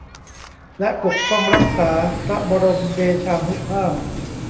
และปกป้องรักษาพระบรมเดชานุภาพ